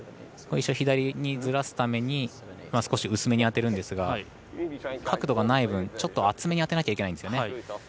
左にずらすために少し薄めに当てるんですが角度がない分、ちょっと厚めに当てなきゃいけないんですよね。